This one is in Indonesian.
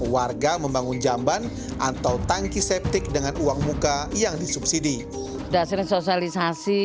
warga membangun jamban atau tangki septik dengan uang muka yang disubsidi dasar sosialisasi